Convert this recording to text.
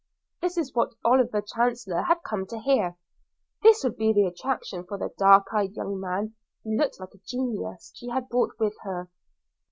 This was what Olive Chancellor had come to hear; this would be the attraction for the dark eyed young man (he looked like a genius) she had brought with her.